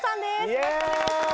よろしくお願いします。